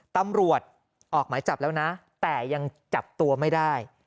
ตำรวจออกหมายจับแล้วนะแต่ยังจับตัวไม่ได้